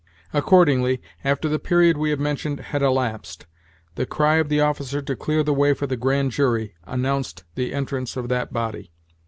Accordingly, after the period we have mentioned had elapsed, the cry of the officer to "clear the way for the grand jury," announced the entrance of that body.